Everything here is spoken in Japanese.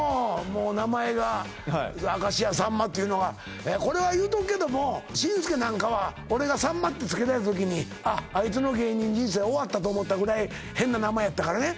もう名前が明石家さんまというのがこれは言うとくけども紳助なんかは俺がさんまってつけられた時にあいつの芸人人生終わったと思ったぐらい変な名前やったからね